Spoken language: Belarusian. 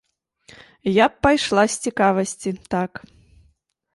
Я б пайшла з цікавасці, так.